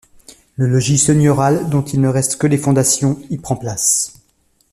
Le logis seigneurial dont il ne reste que les fondations y prend place.